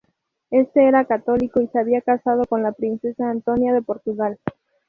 Este era católico y se había casado con la princesa Antonia de Portugal.